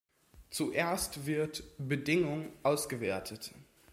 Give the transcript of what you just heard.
Zuerst wird "Bedingung" ausgewertet.